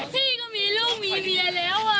พี่ก็มีลูกมีเมียแล้ว